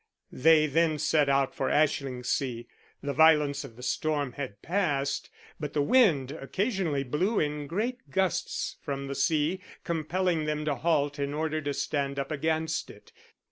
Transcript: They then set out for Ashlingsea. The violence of the storm had passed, but the wind occasionally blew in great gusts from the sea, compelling them to halt in order to stand up against it.